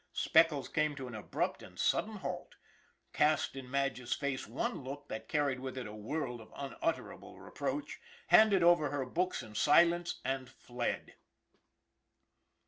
Speckles came to an abrupt and sudden halt, cast in Madge's face one look that carried with it a world of unutterable reproach, handed over her books in silence and fled.